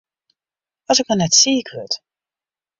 As ik mar net siik wurd!